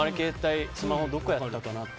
スマホ、どこにやったかなって。